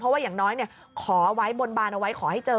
เพราะว่าอย่างน้อยขอไว้บนบานเอาไว้ขอให้เจอ